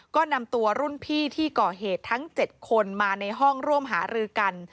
ก็นำตัวรุ่นพี่ที่ก่อเหตุทั้ง๗คนมาในห้องร่วมหารือกัน